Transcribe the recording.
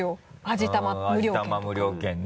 味玉無料券ね。